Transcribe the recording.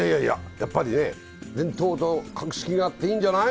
やっぱりね伝統と格式があっていいんじゃない？